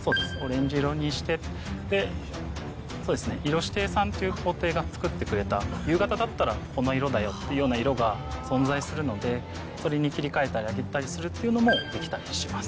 色指定さんっていう工程が作ってくれた夕方だったらこの色だよっていう色が存在するのでそれに切り替えてあげたりするっていうのもできたりします。